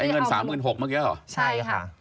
ไอ้เงิน๓๖๐๐๐บาทเมื่อกี้แล้วเหรอใช่ค่ะ